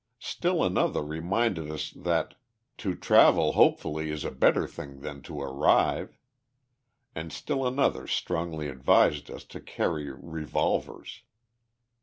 Still another reminded us that "to travel hopefully is a better thing than to arrive," and still another strongly advised us to carry revolvers.